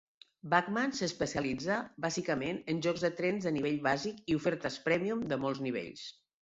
Bachmann s'especialitza bàsicament en jocs de trens de nivell bàsic i ofertes prèmium de molts nivells.